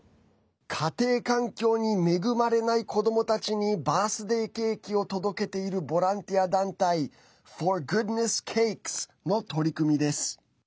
家庭環境に恵まれない子どもたちにバースデーケーキを届けているボランティア団体ＦｏｒＧｏｏｄｎｅｓｓＣａｋｅｓの取り組みです。